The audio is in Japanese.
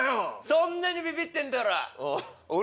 そんなにビビってんなら。